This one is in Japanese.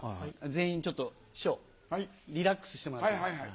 全員ちょっと師匠リラックスしてもらっていいですか？